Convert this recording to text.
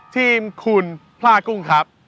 ทีมคุณพลากุ้งครับ